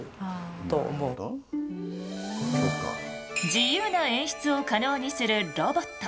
自由な演出を可能にするロボット。